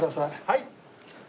はい。